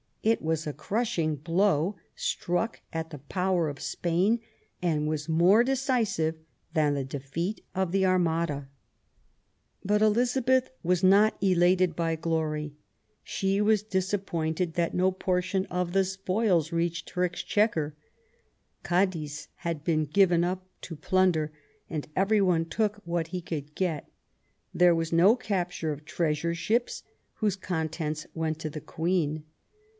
It was a crushing blow struck at the power of Spain and was more decisive than the defeat of the Armada. But Elizabeth was not elated by glory ; she was disappointed that no portion of the spoils reached her Exchequer. Cadiz had been given up to plunder, and every one took what he could get ; there was no capture of treasure ships whose contents went to the Queen.